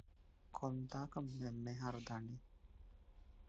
އަހަރެންގެ ހިތް ތެޅޭވަރުން